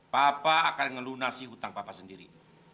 papa akan melunasi hutang papa sendiri